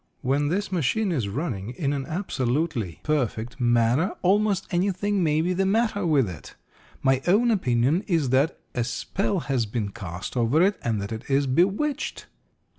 When this machine is running in an absolutely perfect manner, almost anything may be the matter with it. My own opinion is that a spell has been cast over it, and that it is bewitched."